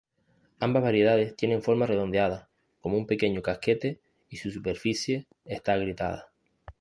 Ambas variedades tienen forma redondeada, como un pequeño casquete, y su superficie está agrietada.